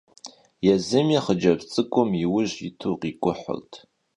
Yêzımi xhıcebz ts'ık'um yi vuj yitu khik'uhırt.